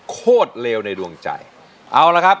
โคตรเลวในดวงใจค่ะ